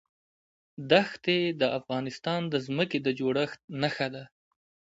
دښتې د افغانستان د ځمکې د جوړښت نښه ده.